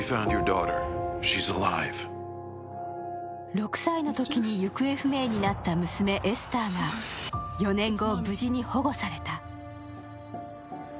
６歳のときに行方不明になった娘・エスターが４年後、無事に保護された。